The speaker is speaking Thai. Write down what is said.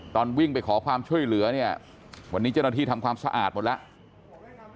ตอนวิ่งไปขอความช่วยเหลือเนี่ยวันนี้เจ้าหน้าที่ทำความสะอาดหมดแล้ว